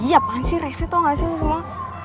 iya apaan sih rese tau gak sih lo semua